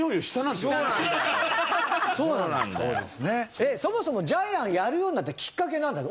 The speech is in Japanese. えっそもそもジャイアンやるようになったきっかけなんなの？